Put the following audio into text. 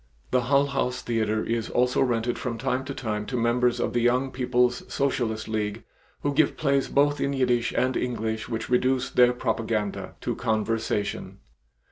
The Hull House theater is also rented from time to time to members of the Young People's Socialist League who give plays both in Yiddish and English which reduce their propaganda to conversation.